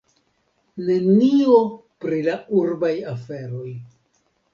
Nenio pri la urbaj aferoj.